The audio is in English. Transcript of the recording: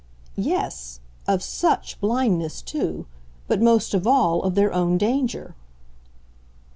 "Yes of SUCH blindness too. But most of all of their own danger."